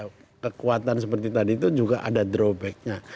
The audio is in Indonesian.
ya kekuatan seperti tadi itu juga ada drawbacknya